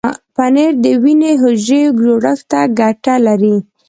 پنېر د وینې حجرو جوړښت ته ګټه لري.